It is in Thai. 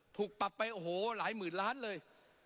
ถูกปรับไปโอ้โหหลายหมื่นล้านเลย